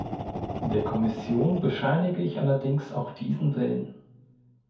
Der Kommission bescheinige ich allerdings auch diesen Willen.